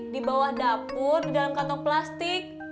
di bawah dapur di dalam kantong plastik